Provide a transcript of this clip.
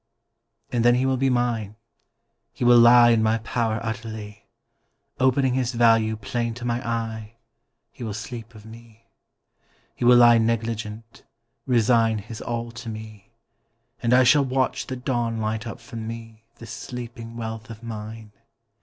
And then he will be mine, he will lie In my power utterly, Opening his value plain to my eye He will sleep of me. He will lie negligent, resign His all to me, and I Shall watch the dawn light up for me This sleeping wealth of mine.